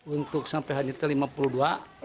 ada korban lagi pak